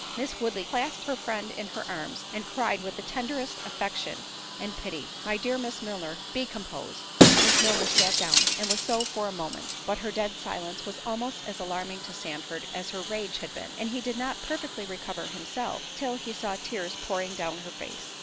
Miss Woodley clasped her friend in her arms, and cried with the tenderest affection and pity, "My dear Miss Milner, be composed." Miss Milner sat down, and was so for a minute; but her dead silence was almost as alarming to Sandford as her rage had been; and he did not perfectly recover himself till he saw tears pouring down her face.